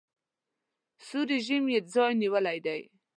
سور رژیم یې ځای نیولی دی.